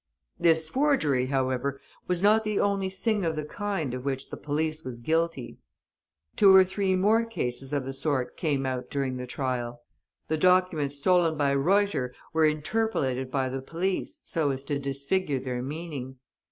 This forgery, however, was not the only thing of the kind of which the police was guilty. Two or three more cases of the sort came out during the trial. The documents stolen by Reuter were interpolated by the police so as to disfigure their meaning.